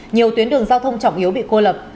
nhiều tuyến đường giao thông trọng yếu bị cô lập